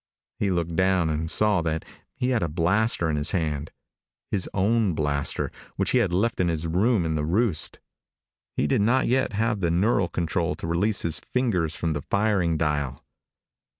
He looked down and saw that he held a blaster in his hand his own blaster, which he had left in his room in the Roost. He did not yet have the neural control to release his fingers from the firing dial.